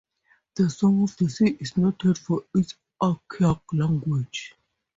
The Song of the Sea is noted for its archaic language.